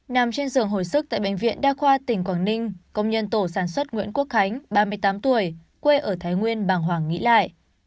nằm trên giường hồi sức tại bệnh viện đa khoa tỉnh quảng ninh công nhân tổ sản xuất nguyễn quốc khánh ba mươi tám tuổi quê ở thái nguyên bàng hoàng nghĩ lại